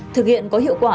thực hiện có hiệu quả